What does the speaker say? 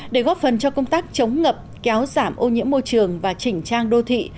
để góp phần cho công tác chống ngập kéo giảm ô nhiễm môi trường và chỉnh trang đô thị